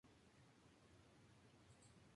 El actor Jung Yoo-ahn interpretó a Kwang-oh de joven.